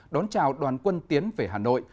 đón chào đoàn quân tiến về hà nội